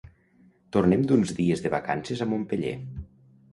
Tornem d'uns dies de vacances a Montpeller.